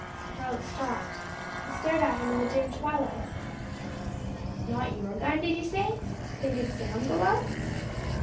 Harold stopped, and stared at him in the dim twilight. "Not your gun, did you say? Then did Sam go out?"